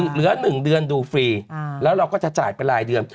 เหลือ๑เดือนดูฟรีแล้วเราก็จะจ่ายไปรายเดือน